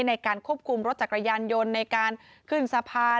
ในการควบคุมรถจักรยานยนต์ในการขึ้นสะพาน